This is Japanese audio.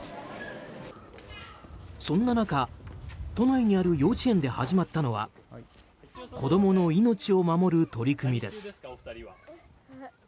そんな中都内にある幼稚園で始まったのは子供の命を守る取り組みです。